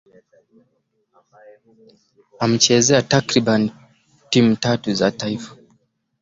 Amechezea takribani timu tatu za taifa